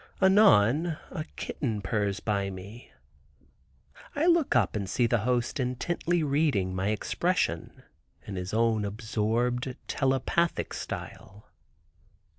Anon a kitten purrs by me; I look up and see the host intently reading my expression in his own absorbed, telepathic style.